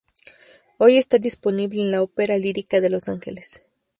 Hoy está disponible en la Ópera Lírica de Los Ángeles.